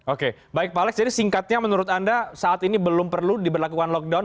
oke baik pak alex jadi singkatnya menurut anda saat ini belum perlu diberlakukan lockdown